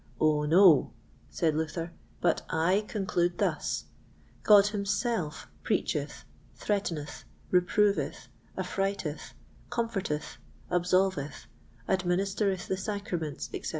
Oh, no," said Luther, "but I conclude thus: God himself preacheth, threateneth, reproveth, affrighteth, comforteth, absolveth, administereth the sacraments, etc.